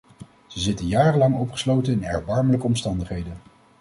Ze zitten jarenlang opgesloten in erbarmelijke omstandigheden.